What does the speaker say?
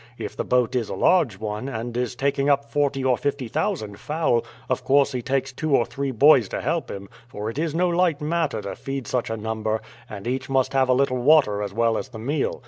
If the boat is a large one, and is taking up forty or fifty thousand fowl, of course he takes two or three boys to help him, for it is no light matter to feed such a number, and each must have a little water as well as the meal.